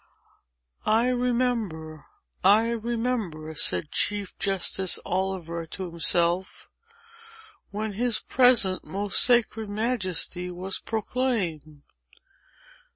"I remember—I remember," said Chief Justice Oliver to himself, "when his present most sacred majesty was proclaimed.